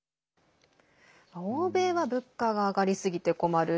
欧米は物価が上がりすぎて困る。